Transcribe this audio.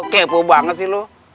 kepo banget sih lo